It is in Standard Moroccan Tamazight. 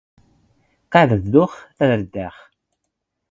ⵇⵇⴰⴷ ⴷⴷⵓⵖ ⵜⵓⵔⴷⴰⵖ.